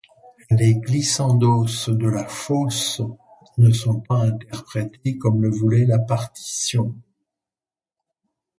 Les glissandos de Lafosse ne sont pas interprétés comme le voulait la partition.